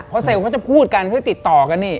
เพราะเซลล์เขาจะพูดกันเขาติดต่อกันนี่